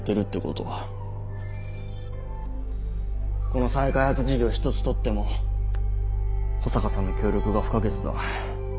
この再開発事業一つとっても保坂さんの協力が不可欠だ。